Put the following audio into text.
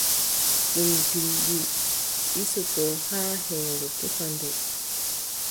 Ɗum gilɗi ɗisotoo haa heŋre, tufa nde.